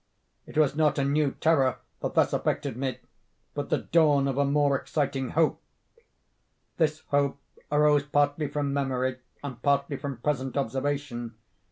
"It was not a new terror that thus affected me, but the dawn of a more exciting hope. This hope arose partly from memory, and partly from present observation.